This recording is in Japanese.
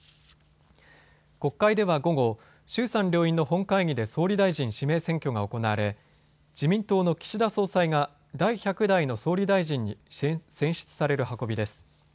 国会では午後、衆参両院の本会議で総理大臣指名選挙が行われ自民党の岸田総裁が第１００代の総理大臣に選出される運びです。